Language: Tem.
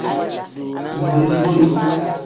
Bori-bori.